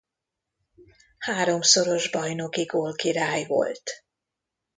Háromszoros bajnoki gólkirály volt.